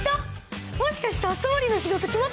もしかして熱護の仕事決まったの？